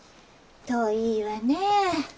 遠いわねえ。